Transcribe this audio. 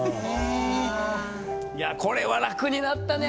これは楽になったね